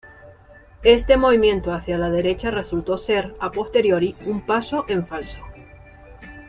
Este movimiento hacia la derecha resultó ser "a posteriori" un paso en falso.